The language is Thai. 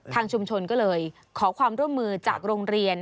ทางชุมชนก็เลยขอความร่วมมือจากโรงเรียน